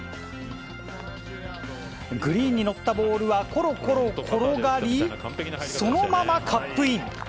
グリーンに乗ったボールは、ころころ転がり、そのままカップイン。